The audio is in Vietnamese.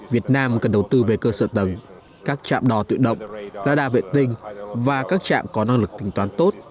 việt nam cần đầu tư về cơ sở tầng các trạm đò tự động radar vệ tinh và các trạm có năng lực tính toán tốt